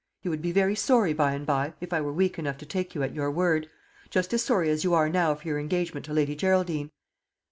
You would be very sorry by and by, if I were weak enough to take you at your word; just as sorry as you are now for your engagement to Lady Geraldine.